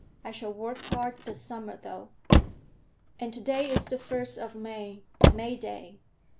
I shall work hard this summer, though." "And to day is the first of May; May day."